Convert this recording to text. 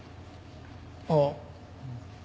ああ。